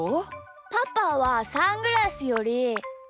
パパはサングラスより。